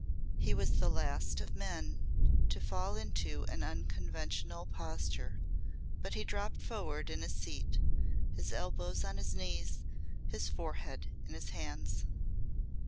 He was the last of men to fall into an unconventional posture, but he dropped forward in his seat, his elbows on his knees, his forehead in his hands.